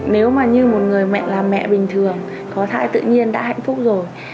nếu mà như một người mẹ làm mẹ bình thường có thai tự nhiên đã hạnh phúc rồi